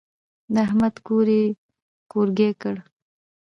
د احمد کور يې کورګی کړ.